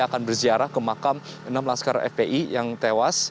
akan berziarah ke makam enam laskar fpi yang tewas